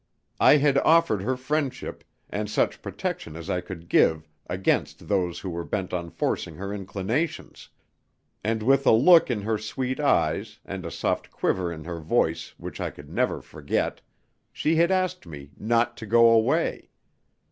I had offered her friendship, and such protection as I could give, against those who were bent on forcing her inclinations; and with a look in her sweet eyes, and a soft quiver in her voice which I could never forget, she had asked me "not to go away."